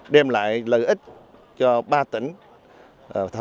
đem lại lợi ích cho ba tỉnh